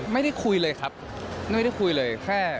ไม่ได้คุยเลยครับไม่ได้คุยเลยแค่